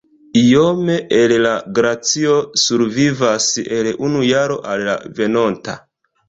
Iome el la glacio survivas el unu jaro al la venonta.